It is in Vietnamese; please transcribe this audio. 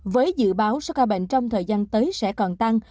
với dự báo số ca bệnh trong thời gian tới sẽ còn tăng